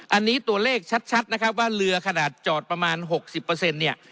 อันนี้ตัวเลขชัดนะครับว่าเรือขนาดจอดประมาณ๖๐เนี่ย